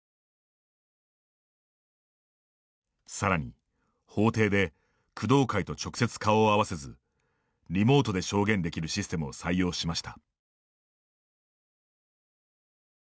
さらに法廷で工藤会と直接顔を合わせずリモートで証言できるシステムを採用しました。